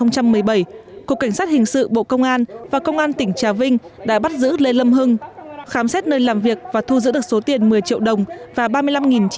cục cảnh sát hình sự bộ công an và công an tỉnh trà vinh đã bắt giữ lê lâm hưng khám xét nơi làm việc và thu giữ được số tiền một mươi triệu đồng và ba mươi năm chín trăm linh đô la mỹ